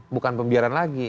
bukan pembiaran lagi